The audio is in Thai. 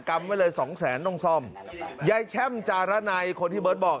ำไว้เลยสองแสนต้องซ่อมยายแช่มจารณัยคนที่เบิร์ตบอก